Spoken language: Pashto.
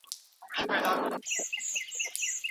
په اسلامي تاريخ کي د زغم ډيري بيلګې سته.